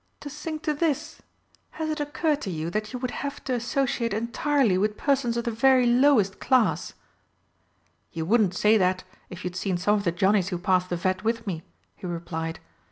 "To sink to this! Has it occurred to you that you would have to associate entirely with persons of the very lowest class?" "You wouldn't say that if you'd seen some of the Johnnies who passed the Vet with me," he replied.